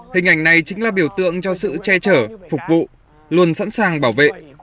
hình ảnh này chính là biểu tượng cho sự che chở phục vụ luôn sẵn sàng bảo vệ